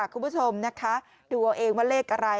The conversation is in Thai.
คุณผู้ชมนะคะดูเอาเองว่าเลขอะไร